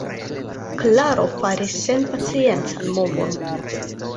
Klaro faris senpaciencan movon.